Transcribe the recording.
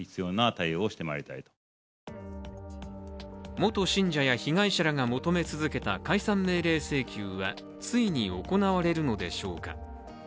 元信者や被害者らが求め続けた解散命令請求はついに行われるのでしょうか。